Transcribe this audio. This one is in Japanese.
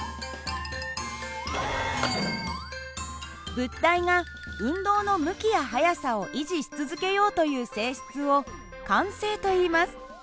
物体が運動の向きや速さを維持し続けようという性質を慣性といいます。